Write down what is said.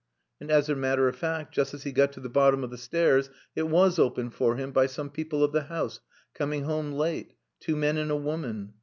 And as a matter of fact, just as he got to the bottom of the stairs, it was opened for him by some people of the house coming home late two men and a woman.